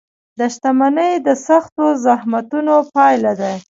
• شتمني د سختو زحمتونو پایله ده.